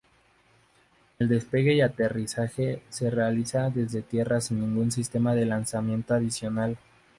El despegue y aterrizaje se realiza desde tierra sin ningún sistema de lanzamiento adicional.